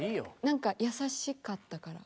何か優しかったから。